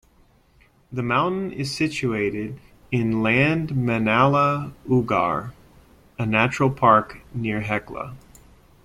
The mountain is situated in Landmannalaugar, a natural park near Hekla.